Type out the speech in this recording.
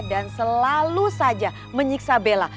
dan selalu saja menyiksa bella